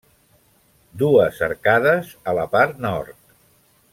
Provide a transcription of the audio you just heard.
Dues arcades a la part nord.